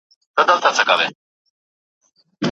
شهزاده باید په ډیر عزت سره استقبال شي.